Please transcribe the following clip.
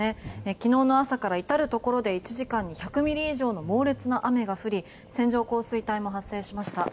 昨日の朝から至るところで１時間に１００ミリ以上の猛烈な雨が降り線状降水帯も発生しました。